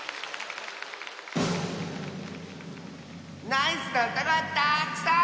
ナイスなうたがたっくさん！